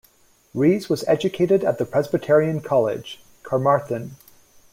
Rees was educated at the Presbyterian College, Carmarthen.